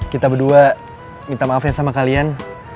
kita berdua minta maafnya sama kalian